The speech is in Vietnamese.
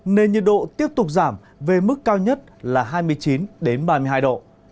nên nhiệt độ tiếp tục giảm về mức cao nhất là hai mươi chín ba mươi hai độ